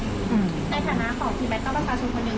ในฐานะของที่แมทก็ประสาทมนุษย์คนหนึ่ง